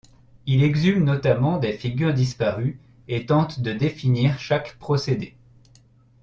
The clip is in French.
Il exhume notamment des figures disparues et tente de définir chaque procédé.